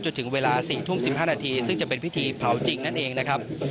จนถึงเวลา๔ทุ่ม๑๕นาทีซึ่งจะเป็นพิธีเผาจริงนั่นเองนะครับ